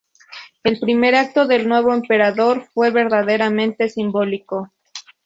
El primer acto del nuevo emperador fue verdaderamente simbólico.